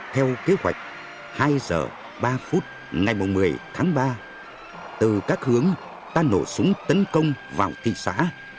theo kế hoạch hai h ba phút ngày một mươi tháng ba từ các hướng ta nổ súng tấn công vào thị xã